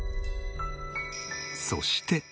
そして。